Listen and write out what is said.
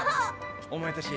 お前たち